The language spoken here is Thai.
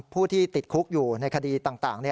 ผู้ที่ติดคุกอยู่ในคดีต่าง